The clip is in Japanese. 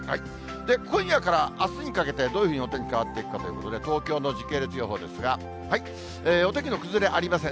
今夜からあすにかけてどういうふうにお天気変わっていくかということで、東京の時系列予報ですが、お天気の崩れありません。